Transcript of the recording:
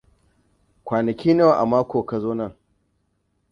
Kwanaki nawa a mako ka zo nan?